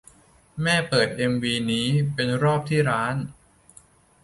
แม่เปิดเอ็มวีนี้เป็นรอบที่ล้าน